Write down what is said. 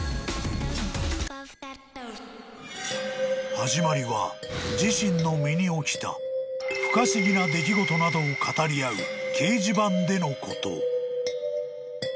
［始まりは自身の身に起きた不可思議な出来事などを語り合う掲示板でのこと］